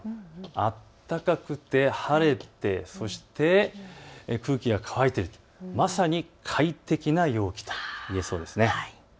暖かくて晴れて、そして空気が乾いているとまさに快適な陽気といえそうですね。